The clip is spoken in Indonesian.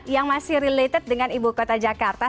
yang masih related dengan ibu kota jakarta